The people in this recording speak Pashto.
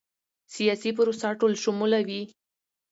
سیاسي پروسه ټولشموله وي